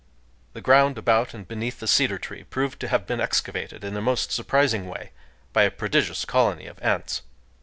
The ground about and beneath the cedar tree proved to have been excavated, in a most surprising way, by a prodigious colony of ants.